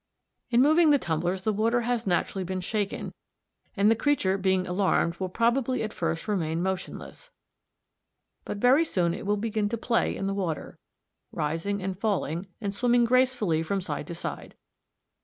In moving the tumblers the water has naturally been shaken, and the creature being alarmed will probably at first remain motionless. But very soon it will begin to play in the water, rising and falling, and swimming gracefully from side to side.